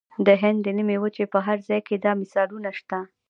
د هند د نیمې وچې په هر ځای کې دا مثالونه شته.